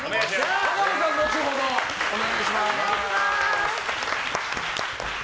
和歌子さん、後ほどお願いします。